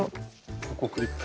ここクリップ。